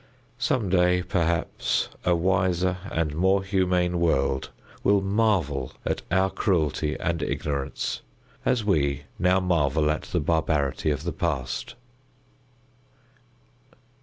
Some day, perhaps, a wiser and more humane world will marvel at our cruelty and ignorance, as we now marvel at the barbarity of the past.